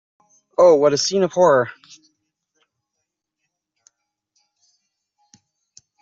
Oh, what a scene of horror!